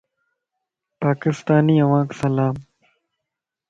پاڪستاني اوھانک سلام